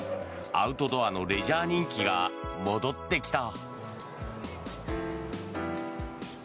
アウトドアのレジャー人気が戻ってきた。